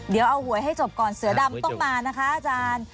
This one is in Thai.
เดี๋ยวเอาหวยให้จบก่อนเสือดำต้องมานะคะอาจารย์